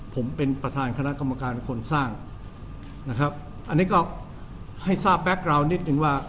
ผมเป็นประธานคณะกรรมการคนสร้างนะครับอันนี้ก็ให้ทราบแก๊กราวนิดนึงว่า